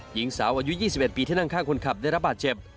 หญิงสาวอายุ๒๑ปีที่นั่งข้างคนขับได้รับบาดเจ็บ